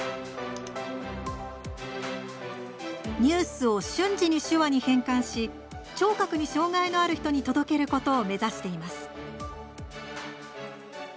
ニュースを瞬時に手話に変換し聴覚に障がいのある人に届けることを目指しています。